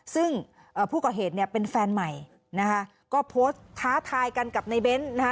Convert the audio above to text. ซึ่งผู้ก่อเหตุเนี่ยเป็นแฟนใหม่นะคะก็โพสต์ท้าทายกันกับในเบ้นนะคะ